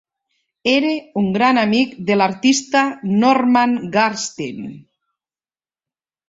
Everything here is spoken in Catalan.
Era un gran amic de l'artista Norman Garstin.